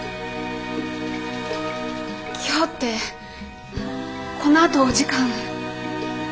今日ってこのあとお時間。